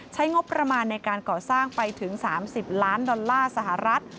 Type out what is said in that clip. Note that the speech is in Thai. ใช้งบประมาณในการก่อสร้างไปถึง๓๐ล้านดอลลาร์สหรัฐ